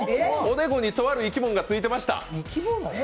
とある生き物がついてました。